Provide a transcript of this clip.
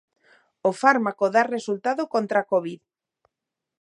O fármaco dá resultado contra a Covid.